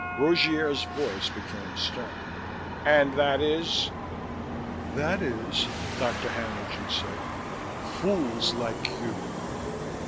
Rogier's voice became stern. "And that is?" "That is," Dr. Haenlingen said, "fools like you."